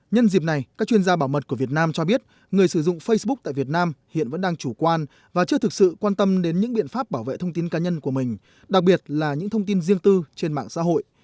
nhân dịp này các chuyên gia bảo mật của việt nam cho biết người sử dụng facebook tại việt nam hiện vẫn đang chủ quan và chưa thực sự quan tâm đến những biện pháp bảo vệ thông tin cá nhân của mình đặc biệt là những thông tin riêng tư trên mạng xã hội